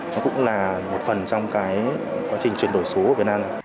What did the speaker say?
nó cũng là một phần trong cái quá trình chuyển đổi số của việt nam